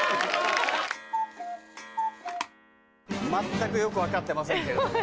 全くよく分かってませんけども。